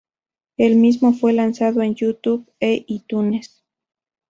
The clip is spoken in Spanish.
El mismo fue lanzado en YouTube e iTunes.